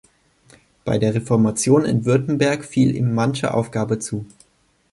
Bei der Reformation in Württemberg fiel ihm manche Aufgabe zu.